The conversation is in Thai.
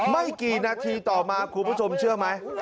ไม่กี่นาทีต่อมาคุณผู้ชมเชื่อไหม